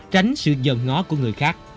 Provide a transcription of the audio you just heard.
tránh sự dần ngó của người khác